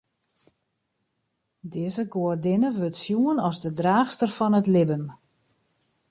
Dizze goadinne wurdt sjoen as de draachster fan it libben.